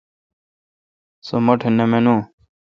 سو مٹھ نہ مانوں۔